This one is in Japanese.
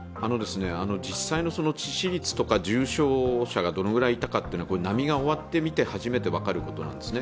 実際の致死率とか重症者がどのぐらいいたかというのは波が終わってみて初めて分かることなんですね。